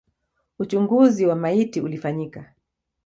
Uchunguzi wa maiti ulifanyika.